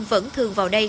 vẫn thường vào đây